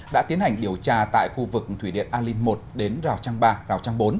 đã tiến hành điều tra tại khu vực thủy điện alin một đến rào trang ba rào trang bốn